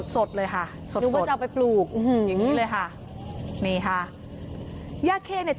สดเลยค่ะ